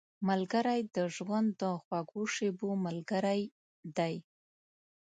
ملګری د ژوند د خوږو شېبو ملګری دی